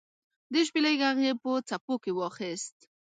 د شپیلۍ ږغ یې په څپو کې واخیست